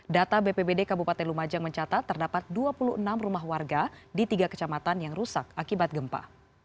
data bpbd kabupaten lumajang mencatat terdapat dua puluh enam rumah warga di tiga kecamatan yang rusak akibat gempa